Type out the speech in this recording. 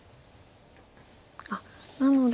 あっなので。